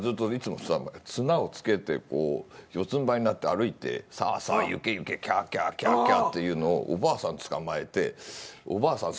綱をつけて四つんばいになって歩いて「さあさあ行け行け」「きゃあきゃあ」というのをおばあさんつかまえておばあさん